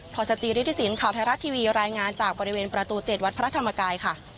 ศจิริฐศิลปข่าวไทยรัฐทีวีรายงานจากบริเวณประตู๗วัดพระธรรมกายค่ะ